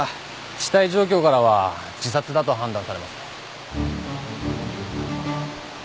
死体状況からは自殺だと判断されます。